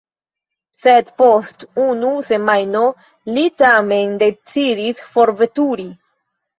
Sed post unu semajno li tamen decidis forveturi.